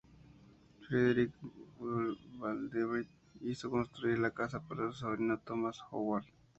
Frederick W. Vanderbilt hizo construir la casa para su sobrino, Thomas H. Howard.